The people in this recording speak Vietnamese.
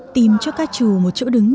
tìm cho ca chủ một chỗ đứng